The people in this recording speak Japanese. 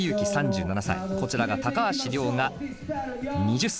こちらが高橋良雅２０歳。